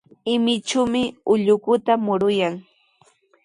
Imichumi ullukuta muruykan.